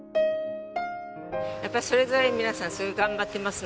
やっぱりそれぞれ皆さんすごい頑張ってますのでね